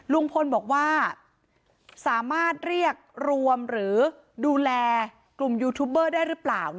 ลุงพลบอกว่าสามารถเรียกรวมหรือดูแลกลุ่มยูทูบเบอร์ได้หรือเปล่า